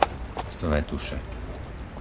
Svätuše